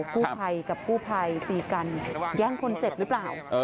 กู้ภัยกับกู้ภัยตีกันแย่งคนเจ็บหรือเปล่า